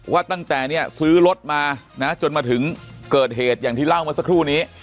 ว่าตั้งแต่เนี่ยซื้อรถมานะจนมาถึงเกิดเหตุอย่างที่เล่าเมื่อสักครู่นี้